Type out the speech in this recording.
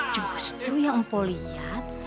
justru yang mpok lihat